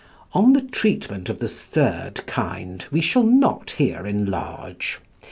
On the treatment of the third kind we shall not here enlarge.